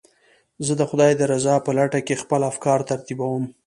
زه د خدای د رضا په لټه کې خپل افکار ترتیبوم.